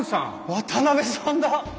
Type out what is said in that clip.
渡さんだ！